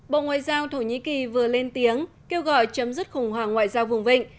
bộ ngoại giao thổ nhĩ kỳ vừa lên tiếng kêu gọi chấm dứt khủng hoảng ngoại giao vùng vịnh